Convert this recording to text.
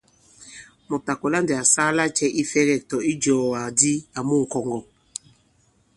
Mùt à kɔ̀la ndī à saa lacɛ̄ ifɛ̄gɛ̂k- tɔ̀ ijùwàgàdi àmu ŋ̀kɔ̀ŋgɔ̀ ?